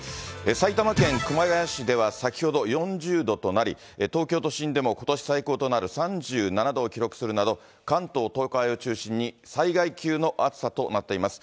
埼玉県熊谷市では先ほど４０度となり、東京都心でもことし最高となる３７度を記録するなど、関東、東海を中心に災害級の暑さとなっています。